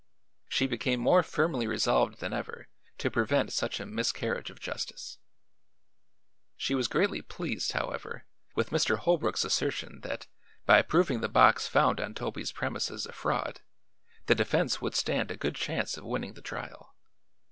She became more firmly resolved than ever to prevent such a miscarriage of justice. She was greatly pleased, however, with Mr. Holbrook's assertion that by proving the box found on Toby's premises a fraud, the defense would stand a good chance of winning the trial.